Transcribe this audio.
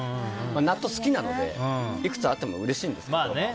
納豆好きなので、いくつあってもうれしいんですけど。